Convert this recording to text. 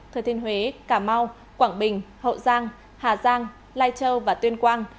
thời thiên huế cà mau quảng bình hậu giang hà giang lai châu và tuyên quang